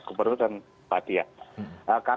gubernur dan patia